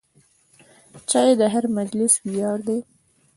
چای د هر مجلس ویاړ دی.